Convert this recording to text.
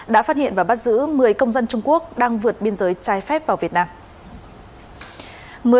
đã phát hiện và bắt giữ một mươi công dân trung quốc đang vượt biên giới trái phép vào việt nam